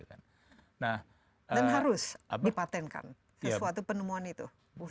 dan harus dipatentkan sesuatu penemuan itu